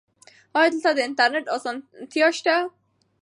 ایا دلته د انټرنیټ اسانتیا شته؟